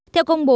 theo công bố